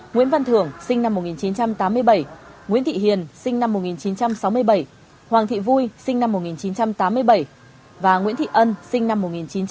nguyễn văn thưởng sinh năm một nghìn chín trăm tám mươi bảy nguyễn thị hiền sinh năm một nghìn chín trăm sáu mươi bảy hoàng thị vui sinh năm một nghìn chín trăm tám mươi bảy và nguyễn thị ân sinh năm một nghìn chín trăm tám mươi